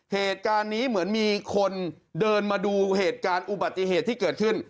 เหตุการณ์นี้เหมือนมีคนเดินมาดูเหตุการณ์อุบัติเหตุที่เกิดขึ้น